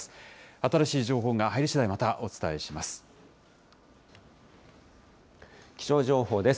新しい情報が入りしだい、またお気象情報です。